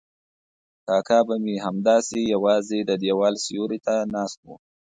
کاکا به مې همداسې یوازې د دیوال سیوري ته ناست و.